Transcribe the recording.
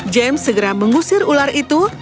james segera mengusir ular itu